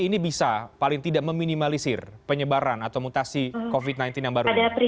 ini bisa paling tidak meminimalisir penyebaran atau mutasi covid sembilan belas yang baru ini